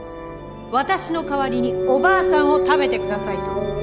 「私の代わりにおばあさんを食べて下さい」と。